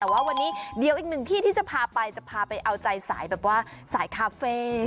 แต่ว่าวันนี้เดี๋ยวอีกหนึ่งที่ที่จะพาไปจะพาไปเอาใจสายแบบว่าสายคาเฟ่